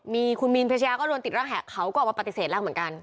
มีคุณมีนเพชยาก็โดนติดรักแหเขาก็ออกมาปฏิเสธแล้วเหมือนกัน